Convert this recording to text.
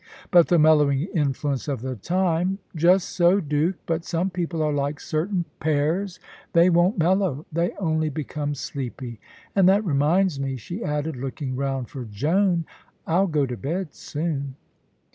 "But the mellowing influence of the time " "Just so, Duke. But some people are like certain pears, they won't mellow they only become sleepy. And that reminds me," she added, looking round for Joan. "I'll go to bed soon."